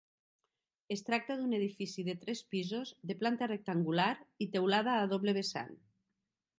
Es tracta d'un edifici de tres pisos, de planta rectangular i teulada a doble vessant.